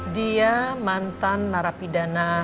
dia mantan narapidana